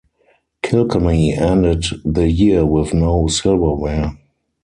Kilkenny ended the year with no silverware.